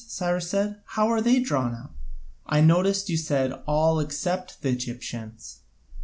Cyrus said, "how are they drawn up? I noticed you said, 'all except the Egyptians.'"